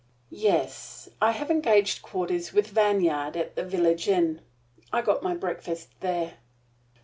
"Yes. I have engaged quarters with Vanyard at the village inn. I got my breakfast there."